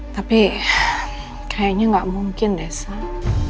tapi kayaknya nggak mungkin deh sah